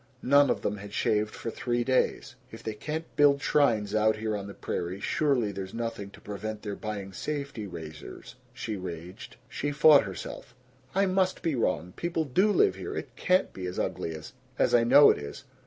None of them had shaved for three days. "If they can't build shrines, out here on the prairie, surely there's nothing to prevent their buying safety razors!" she raged. She fought herself: "I must be wrong. People do live here. It CAN'T be as ugly as as I know it is!